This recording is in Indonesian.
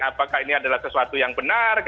apakah ini adalah sesuatu yang benar